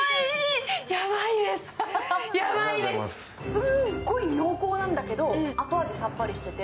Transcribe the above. すんごい濃厚なんだけど、後味さっぱりしてて。